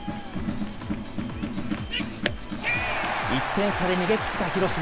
１点差で逃げ切った広島。